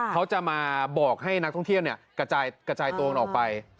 เขาจะมาบอกให้นักท่องเที่ยวกระจายตัวมันออกไป